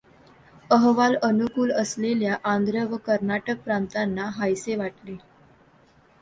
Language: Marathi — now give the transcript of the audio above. अहवाल अनुकूल असलेल्या आंध्र व कर्नाटक प्रांतांना हायसे वाटले.